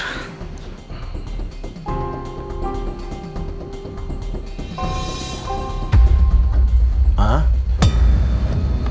untung papa udah tidur